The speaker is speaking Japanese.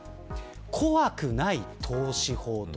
怖くない投資法。